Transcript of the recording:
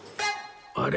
あれ？